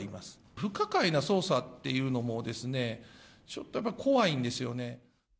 不可解な捜査っていうのも、ちょっとやっぱり怖いんですよね。